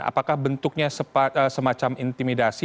apakah bentuknya semacam intimidasi